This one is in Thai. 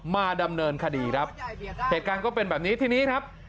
มาดำเนินคดีครับเหตุการณ์ก็เป็นแบบนี้ทีนี้ครับ